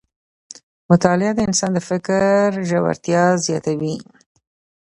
مطالعه د انسان د فکر ژورتیا زیاتوي